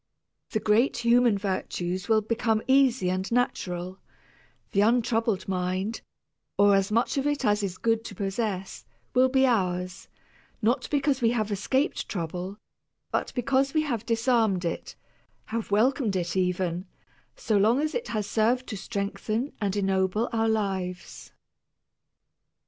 The great human virtues will become easy and natural, the untroubled mind, or as much of it as is good to possess, will be ours, not because we have escaped trouble, but because we have disarmed it, have welcomed it even, so long as it has served to strengthen and ennoble our lives.